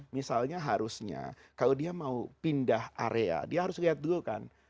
misalnya harusnya kalau dia mau pindah area dia harus lihat dulu kan